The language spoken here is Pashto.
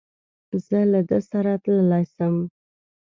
زه له ده سره تللای سم؟